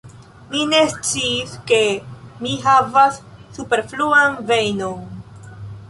Mi ne sciis ke mi havas superfluan vejnon.